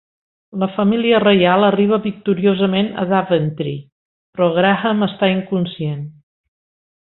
La família reial arriba victoriosament a Daventry, però Graham està inconscient.